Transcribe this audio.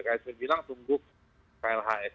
ksb bilang tunggu klhs